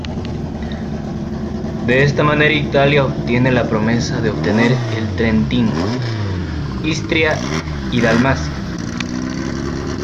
De esta manera Italia obtiene la promesa de obtener el Trentino, Istria y Dalmacia.